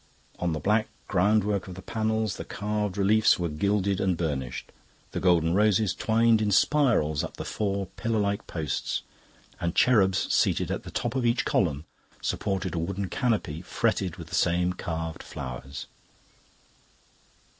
On the black ground work of the panels the carved reliefs were gilded and burnished. The golden roses twined in spirals up the four pillar like posts, and cherubs, seated at the top of each column, supported a wooden canopy fretted with the same carved flowers.